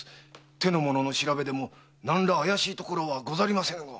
手の者の調べでもなんら怪しいところはございませぬが。